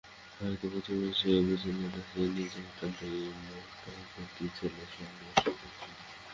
হয়তো প্রথমেই সে বুঝে নিল যে, নিতান্ত একটা মোটাবুদ্ধির ছেলের সঙ্গে সে খেলছে।